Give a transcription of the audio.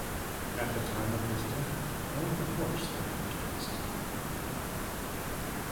At the time of his death only the horse had been cast.